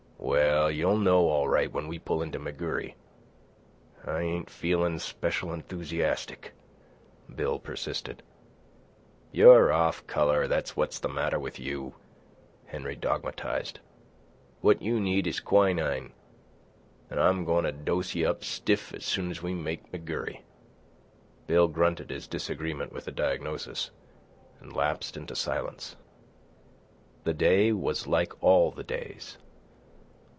"Well, you'll know all right when we pull into McGurry." "I ain't feelin' special enthusiastic," Bill persisted. "You're off colour, that's what's the matter with you," Henry dogmatised. "What you need is quinine, an' I'm goin' to dose you up stiff as soon as we make McGurry." Bill grunted his disagreement with the diagnosis, and lapsed into silence. The day was like all the days.